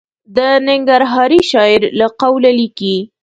د ننګرهاري شاعر له قوله لیکي.